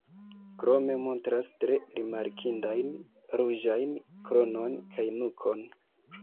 Krome montras tre rimarkindajn ruĝajn kronon kaj nukon.